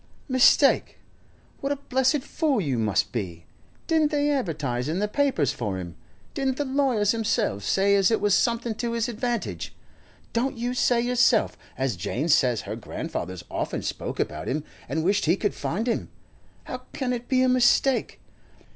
'Mistake? What a blessed fool you must be! Didn't they advertise in the papers for him? Didn't the lawyers themselves say as it was something to his advantage? Don't you say yourself as Jane says her grandfather's often spoke about him and wished he could find him? How can it be a mistake?